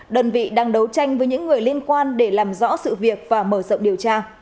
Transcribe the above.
đơn vị đang đấu tranh với những người liên quan để làm rõ sự việc và mở rộng điều tra